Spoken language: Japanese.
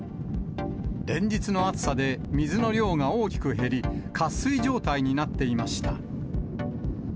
連日の暑さで水の量が大きく減り、渇水状態になっていました。